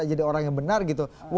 jadi orang yang benar gitu